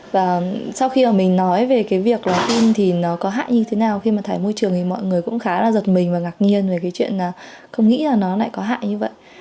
và sau khi mà mình nói về cái việc là pin thì nó có hại như thế nào khi mà thải môi trường thì mọi người cũng khá là giật mình và ngạc nhiên về cái chuyện là không nghĩ là nó lại có hại như vậy